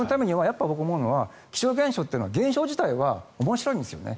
僕が思うのは気象現象というのは現象自体は面白いんですよね。